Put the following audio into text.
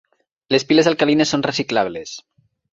Les piles alcalines són reciclables.